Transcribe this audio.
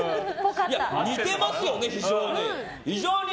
似てますよね、非常に。